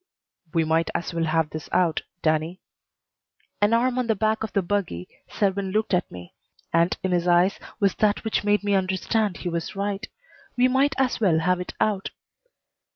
"We might as well have this out, Danny." An arm on the back of the buggy, Selwyn looked at me, and in his eyes was that which made me understand he was right. We might as well have it out.